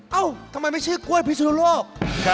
เอ้าทำไมไม่ชื่อกล้วยพิศนุโลก